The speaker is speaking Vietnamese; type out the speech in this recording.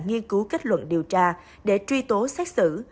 nghiên cứu kết luận điều tra để truy tố xét xử